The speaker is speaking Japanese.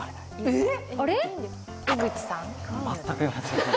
えっ。